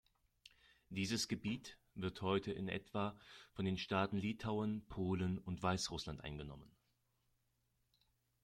Dieses Gebiet wird heute in etwa von den Staaten Litauen, Polen und Weißrussland eingenommen.